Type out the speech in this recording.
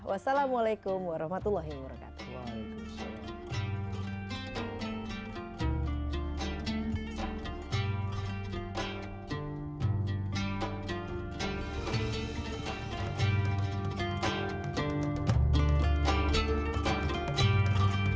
wassalamualaikum warahmatullahi wabarakatuh